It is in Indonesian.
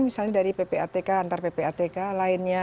misalnya dari ppatk antar ppatk lainnya